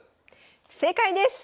正解です！